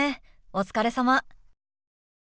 お疲れさま。